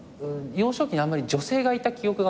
幼少期にあんまり女性がいた記憶がない。